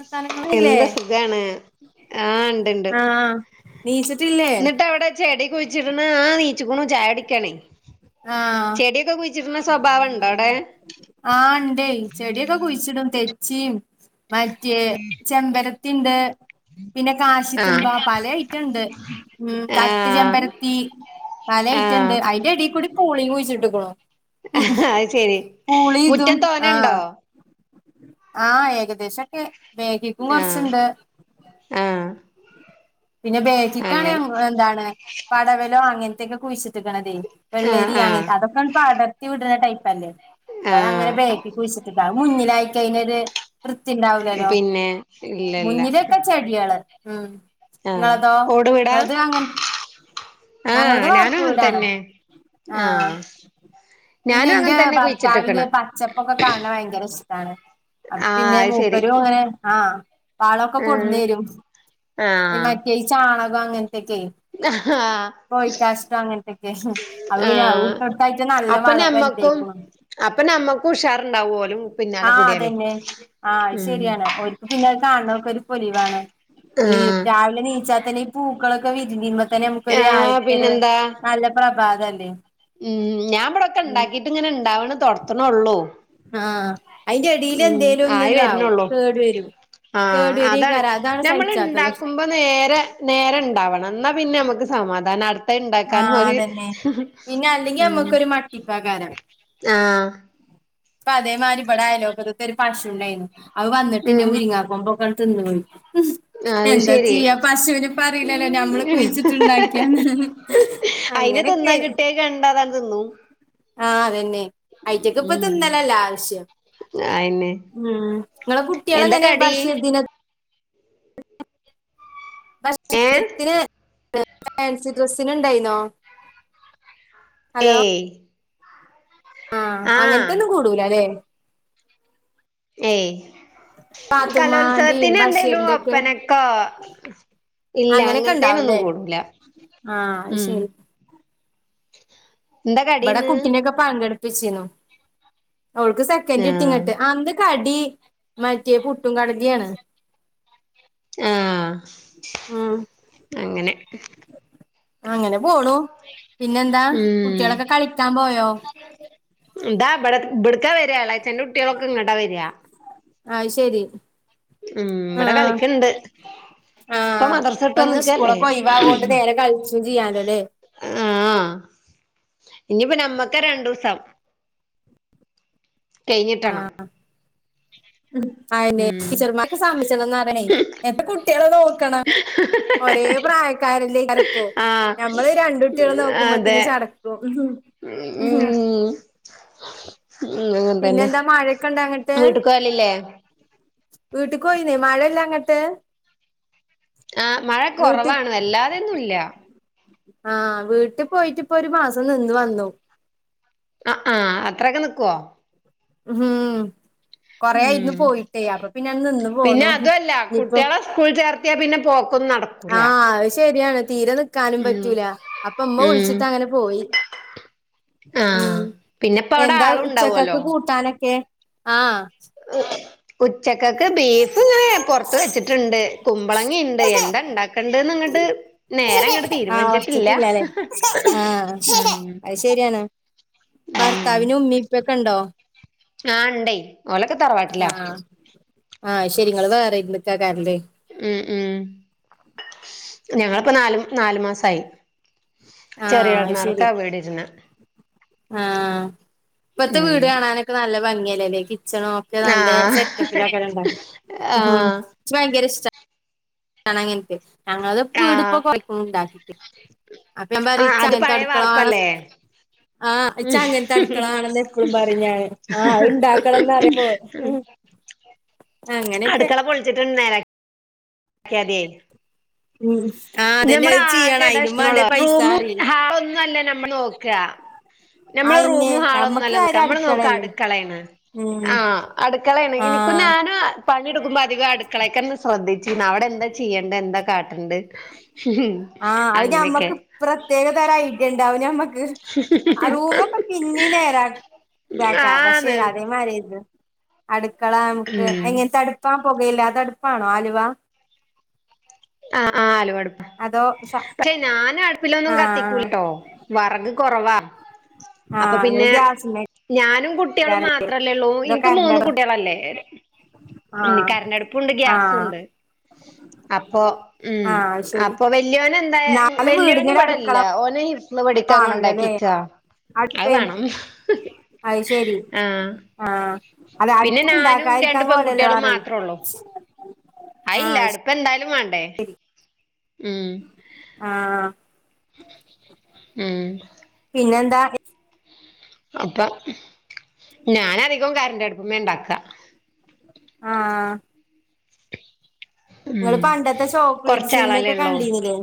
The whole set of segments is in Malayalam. വർത്താനങ്ങളില്ലേ എന്താ സുഖാണ് ആഹ് ഇണ്ട്ണ്ട് നീച്ചിട്ടില്ലേ എന്നിട്ട്അവിടെ ചെടി കുഴിച്ചിട്ണ് ആ നീച്ക്ക്ണു ചായ കുടിക്കാണേ ആഹ് ചെടിയൊക്കെ കുഴിച്ചിട്ണ സ്വഭാവംണ്ടോ അവിടെ ആഹ് ഇണ്ടേ ചെടിയൊക്കെ കുഴിച്ചിടും തെച്ചിയും മറ്റേ ചെമ്പരത്തിണ്ട് പിന്നെ കാശിത്തുമ്പ ആഹ് പല അയിറ്റം ഇണ്ട് തട്ട് ചെമ്പര ആഹ് ത്തി. പല ഐറ്റം എണ്ട് ആഹ് അയിന്റെ ഇടയിൽ കൂടി പൂളി കുഴിച്ചിട്ടക്കുണു അത് ശെരി മുറ്റം തോനണ്ടോ ആഹ് ആഹ് ഏകദേശംക്കെ ബേക്കിക്കും കൊറച്ചുണ്ട് ആഹ പിന്നെ ബേക്കിക്കാണ് എന്താണ് പടവലോ അങ്ങനത്തെയൊക്കെ കുഴിച്ചി ട്ട്ക്ക്ണതേ ആഹ് വെള്ളരി ആഹ് അങ്ങനത്തെ അതൊക്കെ പടർത്തി വിടുന്ന ടൈപ്പ് അല്ലേ അപ്പൊ അതങ്ങനെ ആഹ് ബേക്കി കുഴിച്ചിട്ട അത്‌ മുന്നിലായി കയിഞ്ഞാ ഒരു വൃത്തിഉണ്ടാവൂലല്ലോ പിന്നെ ഇല്ലല്ല മുന്നിലൊക്കെ ചെടികള് ഉം ആഹ് ഇങ്ങളതോ ഓട് വീടാ ഇങ്ങളത് അങ്ങന ആഹ് ഞങ്ങളത് ഞാനും വാർപ്പ് അങ്ങനെ വീടാണ് തന്നെ ആഹ ആഹ് പിന്നെ ഞാനും ഇന്റെ അങ്ങനെ തന്നെ ഭർത്താവിന് കുഴിച്ചിട്ട്ക്ക്ണ് പച്ചപ്പൊക്കെ കാണണെ ഭയങ്കര ഇഷ്ടാണ് ആഹ് പിന്നെ അത് ശരി മൂപ്പരും അങ്ങനെ ആഹ വളൊക്കെ കൊടുന്ന് ആഹ് തരും ആഹ് മറ്റേ ഈ ചാണകം അങ്ങൻത്തെക്കെ- ആഹ് കോഴിക്കാഷ്ടം അങ്ങനത്തെക്കെ അതുപിന്നെ അതുകൂടെ ആഹ് യിട്ട്കൊണ്ട് കൊടുത്താച്ചാ നല്ലവളം വരും - ക്ക [inaudible] അപ്പ നമ്മക്കും ഉഷാറുണ്ടവും ഒലും പിന്നാലെ ആഹ് കൂടിയാലേ അതന്നെ ആഹ് അത് ഉം- ശരിയാണ് ഓര്ക്ക് പിന്നെ കാണണൊക്കെ ഒരു പൊലിവാണ് ഈ ആഹ് രാവിലെ നീച്ചാൽ തന്നെ ഈ പൂക്കളൊക്കെ വിരിഞ്ഞു- തന്നെ നമുക്ക ആഹ് ആവിത്തെ [unintelligible] ഒരു പിന്നെന്താ നല്ല പ്രഭാതല്ലേ ഉം ഞാൻ ഇവിടെക്കെ ഉണ്ടാക്കിട്ട് ഇങ്ങനെ ഇണ്ടാവണ തൊടക്കണൊള്ളൂ- ആഹ് അതിൻ്റെ എടിൽ എന്തേലുംന്ന്താവും കേടു വരും- ആഹ കേടു അതാണ് വരേക്കാരം ഞമ്മൾ സഹിച്ചാത്തത് ഉണ്ടാക്കും പ്പനേരെ നേരണ്ടാവണം എന്നാ പിന്നെ നമുക്ക് സമാധാനാ ക്കെഇണ്ടാക്കാനും ആഹ് ഒരു അതന്നെ പിന്നെ അല്ലെങ്കി ഉം നമ്മക്കൊരു മട്ടിപ്പാക്കാരം ആഹ് - അപ്പ അതേമാതിരിവിടെ അയലോകത്ത് ഒരു പശു ഉണ്ടായിരുന്നു അവ വന്നിട്ട്ന്റെ ഉം മുരിങ്ങുമ്പോൊക്കെ തിന്നു പോയി- ഉം അത് എന്താ ശരി ചെയ്യാ പശുവിനിപ്പറി യില്ലല്ലോ ഞമ്മള് കുഴിച്ചിട്ടുണ്ടാക്കിയാന്ന്- അയിനെ അങ്ങനൊക്കെ തിന്നാൻ കിട്ടിയ കണ്ടാതാൻ തിന്നും- ആഹ് അതന്നെ ഐറ്റക്ക ഇപ്പ തിന്നലല്ലോ ആവശ്യം- ആയന്നേ- ഉം നിങ്ങളെ കുട്ടികള എങ്ങനെ ബാഷീർ ദിന അ [inaudible] ബഷീർ ഏ ദിനത്തിന് ഫാൻസി ഡ്രസ്സിന് ഉണ്ടായിന്നോ- ഹലോ ഏയ്- ആഹ് അങ്ങനത്ത ഒന്നും കൂടുല അല്ലേ- ഏയ് പാത്തുമ്മാന്റെയും കലോത്സവത്തിന് എന്തേലും ബഷീറിന്റെ ഒക്കെ ഒപ്പനൊക്കൊ- ഇല്ല അങ്ങനെയൊക്കെ അങ്ങനത്തേനൊന്നും ഉണ്ടാവുംല്ലേ കൂടൂല- ആഹ് ഉം ശരി- എന്താ ഇവിടെ കടീന്ന് കുട്ടിനെക്കെ പങ്കെടുപ്പിച്ചിരുന്നു അവൾക്ക് സെ സെക്കൻഡ് കിട്ടി ആഹ് ന്നിട്ട് അന്ത് കടി മറ്റേ പുട്ടും കടലേകാണ്- ആഹ് അങ്ങനെ- അങ്ങനെ പോണു പിന്നെന്താ ഉം കുട്ടികളൊക്കെ കളിക്കാൻ പോയോ ദാ ഇബ്ട ബ്ടക്കവരുവാ എളയച്ഛന്റെകുട്ടികളൊക്കെ ഇങ്ങ്ടാ വര്കാ- ആഹ് ശരി- ഉം ഇവിടെ ആഹ് കളിക്കണ്ട്- ആഹ് ഇപ്പൊ ഇന്ന് സ്കൂളൊക്കെ ഒയിവാണ്ട് നേരെ കളിച്ച ചെയ്യാലോ അല്ലേ- ആഹ് ഇനിയിപ്പോ നമ്മക്ക രണ്ടൂസം- കഴിഞ്ഞിട്ടണം- ആഹ് - ഉംഅ ഉം ടീച്ചർമാർക്കെ സമിച്ചണംന്ന് പറ എപ്പ കുട്ടികള നോക്കണം- ഒരേ പ്രായക്കാരല്ലേ ചലപ്പോ ആഹ് നമ്മള് രണ്ട കുട്ടികള് അതെ നോക്കുമ്പോത്തന് ചട [inaudible] [inaudible] ഉം അങ്ങനെ തന്നെ പിന്നെന്താ മഴയൊക്കെ ഇണ്ട അങ്ങട്ട് വീട്ടക്ക്പോവല് ല്ലേ - വീട്ട്ക്ക് പോയിന്നേ മഴല്ല അങ്ങട്ട്- ആഹ് മഴ വീട്ട് കൊറവാണ് അല്ലാതെയൊന്നും ഇല്ല- ആഹ് വീട്ടിൽ പോയിട്ട ഇപ്പോ ഒരു മാസം നിന്ന് വന്നു- ആഹ് ആഹ് അത്രൊക്കെ നിക്കുവോ? മ്ഹ് കൊറേ ആയിരുന്നു ഉം പോയിട്ടേ അപ്പൊ പിന്നെ നിന്ന് പോന്നു ഇനിയിപ്പോ- സ്കൂൾ ചേർത്തിയാൽ പിന്നെ പോക്കൊന്നും നടക്ക് ആഹ് അത് ശരിയാണ് തീരെ നിക്കാനും ഉം പറ്റൂല അപ്പ ഉമ്മ ഉം വിളിച്ചിട്ട് അങ്ങനെ പോയി- ഉം ആഹ് പിന്നെപ്പ അവിടെ എന്താ ഉച്ചക്കൊക്ക് ആളുണ്ടാവല്ലോ കൂട്ടാനൊക്കെ ആഹ് - [inaudible] ഉച്ചക്കക്ക് ബീഫ് ഇങ്ങനെ പൊറത്ത് വെച്ചിട്ടുണ്ട് കുമ്പളങ്ങിണ്ട് എന്താ ഉണ്ടാക്കേണ്ടന്ന്ങ്ങിട്ട്- നേരെ- ആഹ് ഉറച്ചിട്ടില്ലല്ലേ ആഹ ഉം അത് ശരിയാണ് ഉം ഭർത്താവിന് ഉമ്മി ഇപ്പിക്കെ ഉണ്ടോ ആ ഇണ്ടേ ഓലൊക്കെ തറവാട്ടില്ല ആഹ് ആഹ് ശെരിങ്ങ വേറെ നിക്കാ കാരല്ലേ ഉം ഉം ഞങ്ങളിപ്പോ നാല് നാലു മാസമായി ചരി എഴ നാല്ക്ക ആ ബേട ഇന ആഹ ഇപ്പത്തെ ഉം വീട് കാണാനൊക്കെ നല്ല ഭംഗിയല്ലേല്ലേ കിച്ചണോ? ആ നല്ല സെറ്റപ്പിലൊക്കെണ്ട ആ ഉംഭയങ്കര ഇഷ്ട ണങ്ങനട്ട് ഞങ്ങളത് ആ വീടിപ്പൊ കൊഴക്ക ഉണ്ടാക്കിട്ട് അപ്പൊ ഞ ആ പററി അത് ഇച്ച്ങ്ങത്തെ പഴയ അടുക്കളാവണം. വാർപ്പല്ലേ ആഹച്ച അങ്ങനത്തെ അടുക്കളണെന്ന് എപ്പോഴും പറഞ്ഞാണ് ആ ഇണ്ടാക്കണംന്ന് അറിയുമ്പോ അടുകളളപേൾച്ട [unintelligible] ഉം ആഹ് അതന്നെ നഞമ്മൾ അത് ചെയ്യണം അയിനും ആകെഷോ വാണ്ടേ പൈസ റൂമ പറയും ഹാ ഒന്നും അല്ല നമ്മൾ നോക്ക നമ്മള് അയന്നെ റൂമും ഞമ്മക്ക് ഹാളൊന്നുംല്ല നോ കാര്യം നമ്മള് നോക്ക അടുക്കളല്ലേ അടുക്കളയാണ് ഉം ആഹ അടുക്കളയാണ് ഇനിക്കും ആഹ് ഞാനും പണിയെടുക്കുമ്പോ അധികം അടുക്കളക്കെ ശ്രദ്ധിച്ചീനു അവിടെ എന്താ ചെയ്യണ്ടണ്ട് എന്താ കാട്ടണ്ട് മ്ഹ് ഹ് ആഹ് അവന്മ്മക്ക് പ്രത്യേക തരം ഐട്ടുണ്ടാവന്മ്മക്ക്. ആ റൂമ ഒക്കെ പിന്നീ നേരാ ഇതാക്കാ പക്ഷെ ആന്ന് അതേമാരി ഇന്ന് അടുക്കള നമുക്ക് ഉം എങ്ങനത്തെ അടുപ്പാ പുകയില്ല അത് അടുപ്പാണോ ആലുവ ആ് ആ ആലോ അടുപ്പ് അതോ സ പക്ഷെ ഞാനും അടുപ്പിലൊന്നും ആഹ് കത്തിക്കൂലട്ടോ വറക് കുറവാ ആഹ അ ഗ്യാസല്ലെ ഞാനും കുട്ടികളും മാത്രല്ലേള്ളൂ എനിക്ക് മൂന്ന് കരന്റടോ കുട്ടികളല്ലേ ഇനി ആഹ് കരണ്ടടുപ്പണ്ട് ആഹ് ഗ്യാസുണ്ട് അപ്പൊ ഉം ആഹ് അത് ശരി അപ്പൊ വല്യോന എന്താ എന്നാലും വല്യോന് വീടിനൊരു ഇവിടല്ല അടുക്കള ഓന് ഒന്ന് പെടിക്കാൻ വാണല്ലോല്ലേ കൊണ്ടാക്കിക്കാ അത് വേണം അഹ് ശരി ആഹ് ആഹ് അത് പിന്നെ ഞാനും അടുപ്പുണ്ടാക്കാ രണ്ട് ഇരിക്കാൻ പോലല്ലോ പെൺകുട്ടികളും വേറെ മാത്രേ ആഹ് പ്പ എന്തായാലും വേണ്ടേ ഉം ആഹ് മ് പിന്നെന്താ അപ്പം ഞാനധികം കരണ്ടഅടുപ്പ്മേ ഉണ്ടാക്ക ആഹ് ഉം നിങ്ങള് പണ്ടത്തെ ചോക്ലേറ്റ് കൊറച്ചാളല്ലേ സിനിമയൊക്കെ ഉള്ളൂ കണ്ടിരുന്നില്ലേ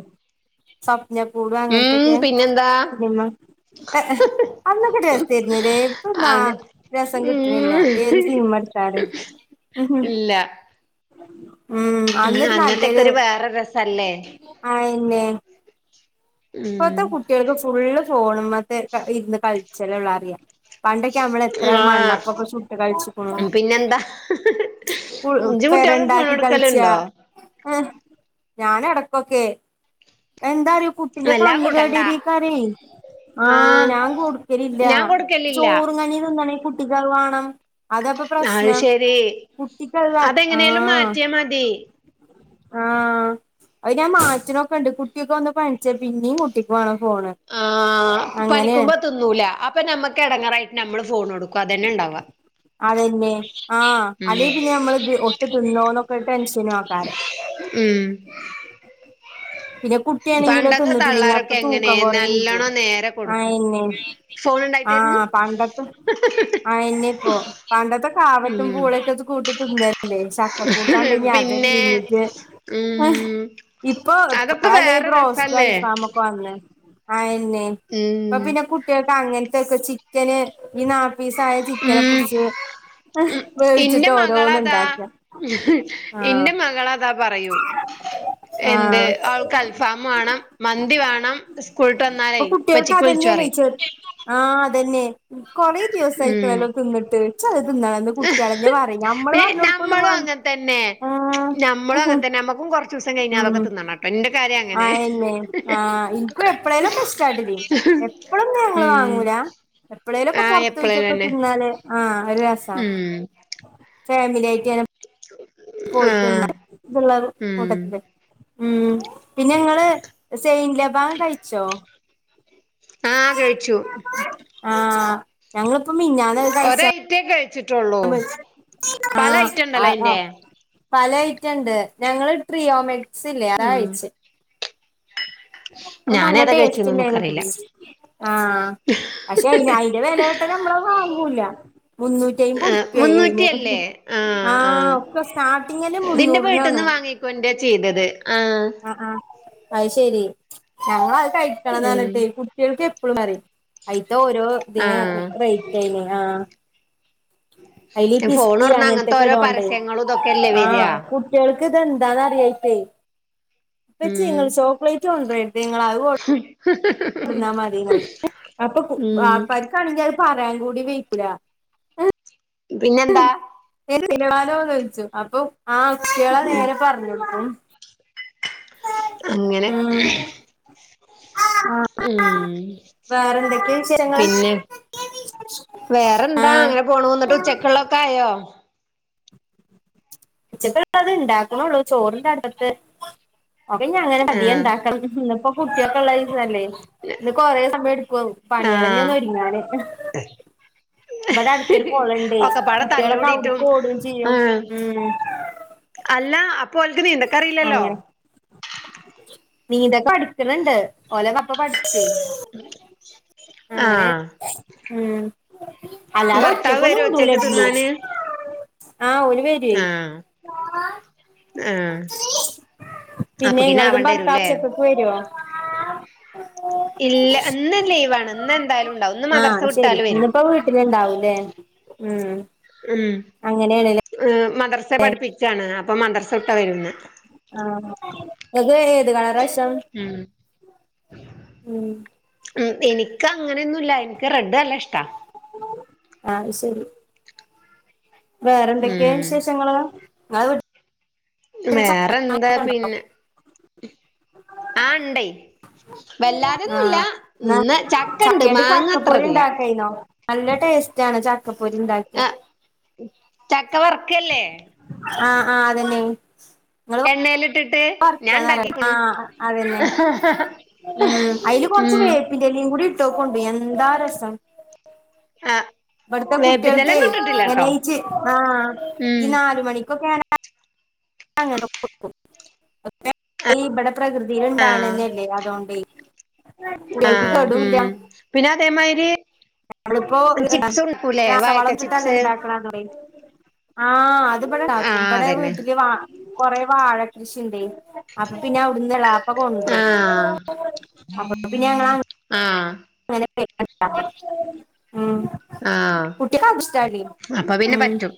സ്വപ്ന പൂട് ഉം അങ്ങനത്തൊക്കെ പിന്നെന്താ ഫിലിമ് അന്നൊക്കെ രസമായിരുന്നുല്ലേ ഇപ്പൊ നാ അതെ രസം കിട്ടണില്ല ഉം ഏത് സീൻമ കാര [unintelligible] ഇല്ല ഉം അന്നത്തൊക്കെ അനല്ലൊരു ഒരു വേറെ രസല്ലേ ആന്നെ [unintelligible] ഉം ഇപ്പത്തെ കുട്ടികൾക്ക് ഫുള്ള് ഫോണ്പത്തെ ഇരുന്ന് കളിച്ചലുള്ള അറിയ പണ്ടൊക്കെ നമ്മള എത്ര ആഹ് മണ്ണപ്പൊക്കെ ചുട്ട് കഴിച്ച് ക്ക്ണു പിന്നെന്താ ഇജ്ജ് കുട്ടികൾക്ക് ഫോൺ പെരണ്ടാക്കി കൾച്ച കൊടുക്കലുണ്ടോ ഹ് ഞൻ ഇടക്കൊക്കെ എന്താറിയോ കു പിന്നെ വല്ലാ കൊടുക്കണ്ട കണ്ണ്കെടേരയികാരെ ആഹ് ഞാൻ കൊടുക്കലില്ല ഞാൻ കൊടുക്കലില്ല ചോറും കഞ്ഞി തിന്നണേ കുട്ടിക്ക് അത് വേണം അതപ്പൊ അത് പ്രശ്നം ശരി കുട്ടിക്ക് അതെങ്ങനെലും ആഹ് മാറ്റിയാ മതി ആഹ് അത് ഞാൻ മാറ്റ്ണൊക്കെ ഇണ്ട് കുട്ടിയൊക്കെ ഒന്ന് പനിച്ചെ പിന്നേം കുട്ടിയക്ക് വേണം ഫോണ് ആഹ് അങ്ങനെയാണ് പനിക്കുമ്പോ തിന്ന് ന്നൂല അപ്പൊ ഞമ്മക്ക് എടങ്ങാറായിട്ട് നമ്മള് ഫോൺ കൊടുക്കും അതന്നെ ഇണ്ടാവാ അതന്നെ ആഹ് അല്ലെ പിന്നെ നമ്മള് ഇത് ഒട്ട് തിന്നോന്നൊക്കെ ഇട്ട് ടെൻഷനു ആയ്ക്കാരം ഉം പിന്നെ കുട്ടിയാണെങ്കിലോ പണ്ടത്തെ തിന്നിട്ടില്ലെങ്കി അപ്പൊ തള്ളാരൊക്കെ എങ്ങനെ തൂക്കം കൊറെയും ചെയ്യും നല്ലോണം നേരെ കൊടുക്കും അതെന്നെ ഫോൺ ഉണ്ടായിട്ടായിരുന്നു ആഹ് പണ്ടത്തെ അയെന്നെപ്പോ പണ്ടത്തെ കാവത്തും ഉം പൂളൊക്കെ ചു കൂട്ടി തിന്നല് അല്ലെ ചക്കക്കൂട്ടാണ്ടെങ്കിൽ അത് പിന്നെ പീങ്ങിട്ട് ഉം ഇപ്പൊ അതൊക്കെ ഇപ്പളല്ലേ ഈ വേറെ ബ്രോസ്റ്റും രസല്ലേ അൽഫാമൊക്കെ വന്ന് ആയെന്നെ ഇപ്പൊ ഉം പിന്നെ കുട്ട് കുട്ടിയേക്ക് അങ്ങനത്തെക്കെ ചിക്കന് ഈ നാപ്പസീയ ചിക്കനെ ഉം പുടിച്ച് ഉം ഇന്റെ വേവിച്ചിട്ട് മകളതാ ഓരോന്ന്ണ്ടാക്കാ ആഹ് ഇന്റെ മകളതാ പറയും ആഹ് ൻക്ക് അൽഫാമ് വേണം മന്തി വേണം സ്കൂളിട്ട് വന്നാലേ ഇപ്പൊ കുട്ടികൾക്ക് ഇപ്പച്ചിക്ക് വിളിച്ചു അതന്നെയാണ് പറയും ചെ ആഹ് അതന്നെ കൊറേ ഉം ദിവസായിക്കണ്ല്ലോ തിന്നിട്ട് ച്ചത് അത് തിന്നണെന്ന് കുട്ടിയാളെന്നെ പറയും നമ്മള് പിന്നെ പറഞ്ഞ് കൊടുക്കൊന്നും നമ്മളും വേണ്ട് അങ്ങനെ ആഹ് ക്കും കൊറച്ചൂസം കിഴിഞ്ഞാ ഉം അതൊക്കെ തിന്നണട്ട് എന്റെ കാര്യം അങ്ങനെ അയന്നെ ആഹ് ഇൻക്കും എപ്പളേലൊക്കെ ഇഷ്ടാട്ടിരി എപ്പളൊന്നും ഞങ്ങള് ഉം വാങ്ങൂല എപ്പളേലൊക്കെ ആഹ് പൊറത്ത് എപ്പളേലും പോയിട്ടൊക്കെ തന്നെ തിന്നാലേ ആഹ് ഒരു രസാ ഉം ഫാമിലിയായിറ്റെല്ലം [unintelligible] പോയി ആഹ് തിന്നാ [unintelligible] ഉം കൂട്ടത്തില് ഉം പിന്നെ ഇങ്ങള് സെയിൻ ലെബ് ബാൻ കഴിച്ചോ ആഹ് കഴിച്ചു ആഹ് ഞങ്ങളിപ്പം മിഞ്ഞാന്നത് കഴിച്ചാ റ്റെ കഴിച്ചിട്ടുള്ളൂ പല ആഹ് ഐറ്റം ഇണ്ടല്ലോ ആഹ് അയിന്റെ ആഹ് പല ഐറ്റംണ്ട് ഞങ്ങള് ട്രിയോമെക്സ് ഇല്ലേ ആതാ ഉം കഴിച്ചെ അത് നല്ല ഞാനേതാ ടേസ്റ്റ് കഴിച്ചന്ന് ഇണ്ടായിരുന്നു ഒന്നുക്കറിയില്ല [unintelligible] ആഹ് പക്ഷെ അയിന് അയിൻ്റെ വെല കേട്ടാ നമ്മള് വാങ്ങോല്ല മുന്നൂറ്റി അയിമ്പത് ഉറുപ്യ ആയി അയിന് ആഹ് ഒക്കെ സ്റ്റാർട്ടിങ്ങെന്നെ മുന്നൂറിനാണ് ക്കുൻ്റെയാ ചെയ്തത് ആഹ് ആഹ് ആഹ് അയ് ശെരി ഞങ്ങളത് കയിക്കണന്ന് ഉം പറഞ്ഞിട്ടെ കുട്ട് കുട്ടികൾക്ക് എപ്പഴും പറയും അയിത്തെ ഓരോ ഇതിന് ആഹ് റേറ്റ് അയിന് ആഹ് അയില് ഫോൺ പിസ്തേം തുറന്ന അങ്ങനത്തെ അങ്ങനത്തൊക്കെ ഓരോ ഇടോണ്ടേ പരസ്യങ്ങളും ഇതൊക്കെല്ലേ വരിക ആഹ് കുട്ടികൾക്ക് ഇതെന്താന്ന് അറിയായിട്ടേ ഇപ്പച്ചി ഉം ഇങ്ങള് ചോക്ലേറ്റ് കൊണ്ടുവരരുത് ഇങ്ങൾ അത് കൊണ്ട് ണ്ടന്നാ മതിന്ന് പറയും അപ്പൊ കുട്ട് ഉം വാപ്പാർക്കാണെങ്കി അത് പറയാൻ കൂടി വയിക്കൂല പിന്നെന്താ [unintelligible] ചോദിച്ചു അപ്പൊ ആഹ് കുട്ടികളത് നേരെ പറഞ്ഞു കൊടുക്കും അങ്ങനെ ഉം ഉം വേറെന്തൊക്കെയാ വിശേ പിന്നെ വേറെന്താ ആഹ് അങ്ങനെ പോണു എന്നിട്ട് ഉച്ചക്കുള്ള ക്കായോ? ഉച്ചക്കുള്ളത് ഇണ്ടാക്കണുള്ളൂ ചോറുണ്ട് അടുപ്പത്ത് [unintelligible] അങ്ങനെ അധികം ആഹ് ഇണ്ടാക്കണന്നില്ല ഇന്നിപ്പോ കുട്ടിയൊക്കെ ഇള്ള ദിവസല്ലേ ഇന്ന് കൊറെ സമയം എടുക്കു ആവും പണിയെളെന്നെ ആഹ് ഒന്നൊരുങ്ങാന് ഇവിടെ അടുത്തൊരു കൊളോണ്ടേ ഒക്കപ്പാടെ കുട്ടികളൊക്കെ തല്ലൂടിട്ടും അവിടക്ക് ഓടേം ചെയ്യും ആഹ് ഉം അല്ല അപ്പൊ ഓൽക്ക് നീന്തക്കം അറിയില്ലല്ലോ നീന്ത പഠിക്കണണ്ട് ഓലതാ ഇപ്പ പഠിച്ചേ അങ്ങനെ ആഹ് മ്മ് അല്ലാതെ ഭർത്താവ് ഒറ്റക്ക് ഒന്നും വരോ വിടൂല ഉച്ചക്ക് എതിലേം തിന്നാന് ആഹ് ഓര് വരും ആഹ് ആഹ് ട്ടെ പിന്നെ അപ്പക്കിന് ഇങ്ങളതും ആവണ്ട ഭർത്താവ് വരൂല്ലേ ഉച്ചയ്ക്കൊക്കെവരൊ ഇല്ല ഇന്ന് ലീവാണ് ഇന്ന് എന്തായാലും ഇണ്ടാവും ഇന്ന് മദർസ വിട്ടാലും വരും വരുണ്ടാവുല്ലേ മ്മ് മ്മ് അങ്ങനെയാണ് ലെ ഏഹ് മദ്രസെ പഠിപ്പിച്ചാണ് അപ്പൊ മദർസ വിട്ടാ വരുന്നെ ആഹ് ഇങ്ങൾക്ക് ഏത് കളറാ ഇഷ്‌ടം മ്മ് ഉം മ്മ് എനിക്ക് അങ്ങനെയൊന്നുല്ല എനിക്ക് റെഡ് നല്ല ഇഷ്ടാ ആഹ് ശരി വേറെന്തൊക്കെയാ ഉം വിശേഷങ്ങള് ഇങ്ങള് വേറെന്താ പിന്നെ ആഹ് ഇണ്ടയ് വല്ലാതെന്നുല്ല ആഹ് ന്നാ ഇന്ന് ചക്കണ്ട് ചക്കേണ്ട് മാങ്ങ അത്ര ചക്കപ്പൊരി ഇല്ല ഉണ്ടാക്കായിന്നോ നല്ല ടേസ്റ്റ് ആണ് ചക്കപ്പൊരി ഇണ്ടാക്കി ആഹ് ചക്ക വറുക്കയല്ലേ ആഹ് ആഹ് അതെന്നെ [unintelligible] എണ്ണേലിട്ടിട്ട് ഞാൻ ഇണ്ടാക്കിക്ക്ണു ആഹ് അതന്നെ അതില് [unintelligible] ഉം ൻ്റെലയും കൂടി ഇട്ടോക്കേണ്ടി എന്താ രസം ആഹ് ഇബട്ത്തെ കുട്വൾക്കെ അങ്ങനയിച്ച് ആഹ് ഉം ഈ നാല് മണിക്കൊക്കെ ആഹ് അങ്ങനെ കൊടുക്കും ഇവിടെ പ്രകൃതി ആ ഇണ്ടാകണന്നെല്ലേ അതുണ്ടെയ് ആ കുട്ടികൾക്ക് കെടും ല്ല ഉം പിന്നെ അതേമാതിരി നമ്മളിപ്പോ ചിപ്സ് ഉണ്ടാക്കൂലേ രാസ വാഴക്ക ചിപ്സ് വളന്നിട്ടാണ്ടാക്കണന്ന് [unintelligible] ആഹ് അത് ഇബടെ ആ ഇണ്ടാക്കും ഇബടെ അതന്നെ വീട്ടില് കൊറെ വാഴ കൃഷിയുണ്ടെ അപ്പം പിന്നെ അവിടുന്നള പ്പ ആ കൊണ്ടരുംഅപ്പ പിന്നെ അങ്ങ ആഹ് അങ്ങനെ [unintelligible] ആഹ് കുട്ടികക്ക് അത് ഇഷ്ടാടി അപ്പൊ പിന്നെ ഉം പറ്റും.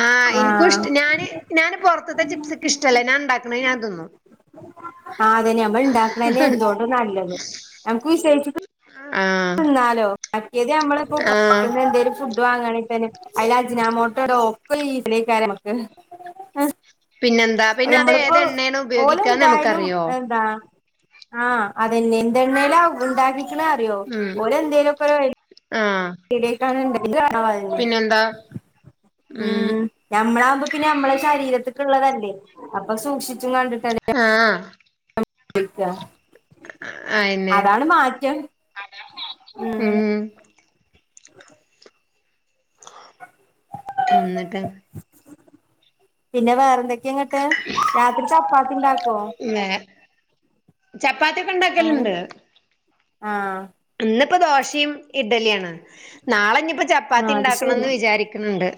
ആഹ് ഇനിക്കും ഇഷ്ട ഞാന് ഞാന് പുറത്തെ ചിപ്സൊക്കെ ഇഷ്ടല്ല ഞാൻ ഉണ്ടാക്കണ ഞാൻ തിന്നും. ആ അതന്നെ മ്മൾ ഇണ്ടാക്കണന്നെ എന്തോണ്ട് നല്ലത്. നമക്ക് വിശേഷച്ചിട്ട ആഹ് ന്നാലോ മറ്റേത് നമ്മളപ്പോ ആഹ് പൊറത്തുന്നു എന്തേലും ഫുഡ് വാങ്ങണെ തന്നെ അയിൽ അജിനാമോട്ടോ ഒക്കെ ഒര് ഈസല് ആയിരിക്കും നമക്ക് പിന്നെന്താ? പിന്നെ അത് ഞമ്മളിപ്പോ ഏത് എണ്ണേണ് ഓലെ ഉപയോഗിക്കാന്ന് എന്തായാലും നമുക്കറിയോ എന്താ? ആഹ് അതെന്നെ എന്തെണ്ണേലാ ഉണ്ടാക്കിക്കണ അറിയോ ഉം ഓലെ എന്തേലും ഒക്ക ആഹ് [unintelligible] പിന്നെന്താ ഉം ഞമ്മളാകുമ്പോ പിന്നെ നമ്മളെ ശരീരത്തിക്കുള്ളതല്ലേ. അ പ്പൊ സൂക്ഷിച്ചും കണ്ടിട്ടും ആഹ് ഇക്ക അയെന്നെ അതാണ് മാറ്റം ഉം എന്നിട്ട്? പിന്നെ വേറെന്തൊക്കെയ ഇങ്ങട്ട് രാത്രി ചപ്പാത്തി ഉണ്ടാക്കോ? ചപ്പാത്തിയൊക്കെ അങ്ങനെ ഉണ്ടാക്കല്ണ്ട്. ആഹ്. ഇന്ന്പ്പോ ദോശയും ഇഡ്ലിയാണ് നാളെഞിപ്പോ. ആഹ് അത് ചപ്പാത്തിണ്ടാക്കണംന്ന് ശരി വിചാരിക്കുന്നുണ്ട്.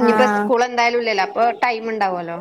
ഇനിയിപ്പോൾ ആഹ് സ്കൂൾ. എന്തായാലും ഇല്ലല്ലോ അപ്പോ ടൈം ഉണ്ടാവുല്ലോ.